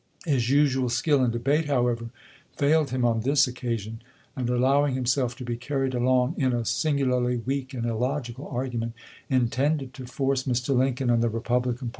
His usual skill in debate, however, failed him on this occasion ; and allowing himself to be carried along in a singularly weak and illogical argument, THE CALL TO AKMS 81 intended to force Mr. Lincoln and the Republican chap.